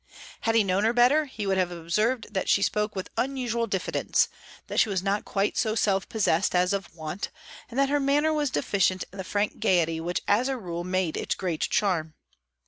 Had he known her better, he would have observed that she spoke with unusual diffidence, that she was not quite so self possessed as of wont, and that her manner was deficient in the frank gaiety which as a rule made its great charm.